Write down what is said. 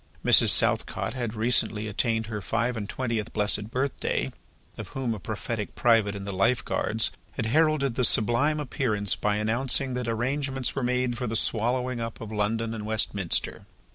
Mrs. Southcott had recently attained her five and twentieth blessed birthday, of whom a prophetic private in the Life Guards had heralded the sublime appearance by announcing that arrangements were made for the swallowing up of London and Westminster.